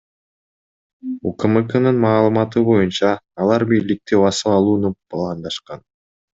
УКМКнын маалыматы боюнча, алар бийликти басып алууну пландашкан.